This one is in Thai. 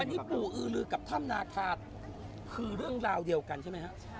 อันนี้ปู่อือลือกับถ้ำนาคาคือเรื่องราวเดียวกันใช่ไหมฮะ